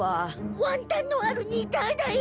ワンタンのある「ニタッ」だよ！